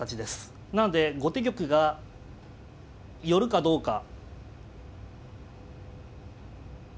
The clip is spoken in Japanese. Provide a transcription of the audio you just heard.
なんで後手玉が寄るかどうか。